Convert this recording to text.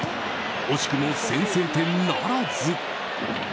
惜しくも先制点ならず。